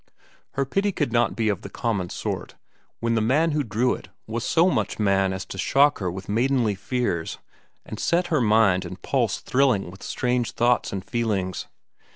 Her pity could not be of the common sort, when the man who drew it was so much man as to shock her with maidenly fears and set her mind and pulse thrilling with strange thoughts and feelings.